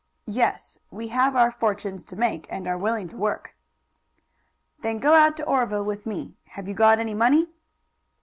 "Yes; we have our fortunes to make, and are willing to work." "Then go out to Oreville with me. Have you got any money?"